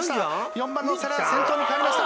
４番の皿屋先頭に変わりました。